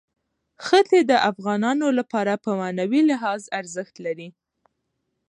ښتې د افغانانو لپاره په معنوي لحاظ ارزښت لري.